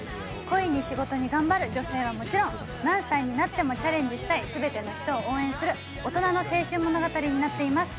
恋に仕事に頑張る女性はもちろん何歳になってもチャレンジしたい全ての人を応援する大人の青春物語になっています